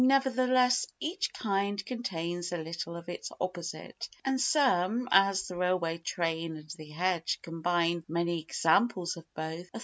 Nevertheless each kind contains a little of its opposite and some, as the railway train and the hedge, combine many examples of both.